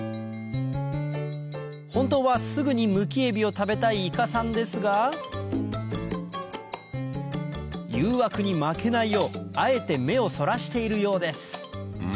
本当はすぐにむきエビを食べたいイカさんですが誘惑に負けないようあえて目をそらしているようです